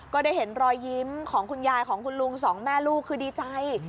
ก็ได้เห็นรอยยิ้มของคุณยายของคุณลุงสองแม่ลูกคือดีใจ